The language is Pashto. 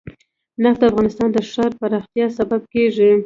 نفت د افغانستان د ښاري پراختیا سبب کېږي.